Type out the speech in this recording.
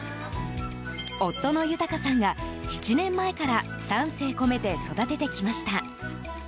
夫の豊さんが、７年前から丹精込めて育ててきました。